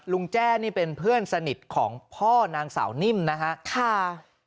แจ้นี่เป็นเพื่อนสนิทของพ่อนางสาวนิ่มนะฮะค่ะ